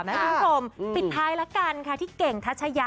กลุ่มปิดท้ายละกันคะที่เก่งทัชยา